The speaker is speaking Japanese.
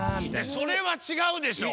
それはちがうでしょ！